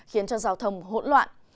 khiến cho giao thông hỗn loạn